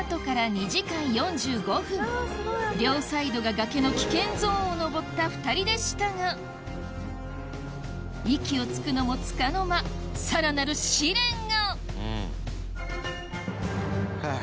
両サイドが崖の危険ゾーンを登った２人でしたが息をつくのもつかの間さらなる試練がはぁ。